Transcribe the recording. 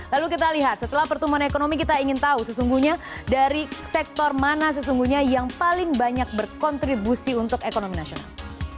lalu kita lihat setelah pertumbuhan ekonomi kita ingin tahu sesungguhnya dari sektor mana sesungguhnya yang paling banyak berkontribusi untuk ekonomi nasional